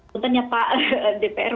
contohnya pak dpr